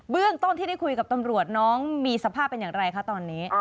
เรื่องต้นที่ได้คุยกับตำรวจน้องมีสภาพเป็นอย่างไรคะตอนนี้